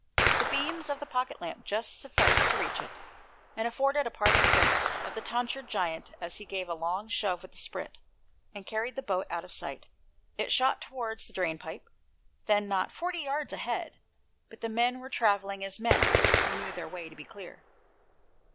The beams of the pocket lamp just sufficed to reach it, and afforded a parting glimpse of the tonsured giant as he gave a long shove with the sprit, and carried the boat out of sight. It shot towards the drain pipe, then not forty yards ahead, but the men were travelling as men who knew their way to be clear.